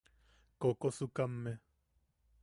Kokosukame.